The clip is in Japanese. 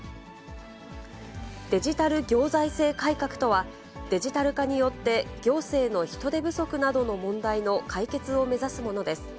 デジタル行財政改革とは、デジタル化によって、行政の人手不足などの問題の解決を目指すものです。